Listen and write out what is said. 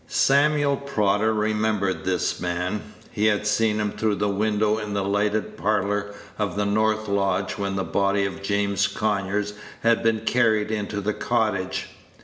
Samuel Prodder remembered this man. He had seen him through the window in the lighted parlor of the north lodge when the body of James Conyers had been carried into the cottage.